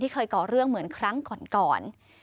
เคยก่อเรื่องเหมือนครั้งก่อน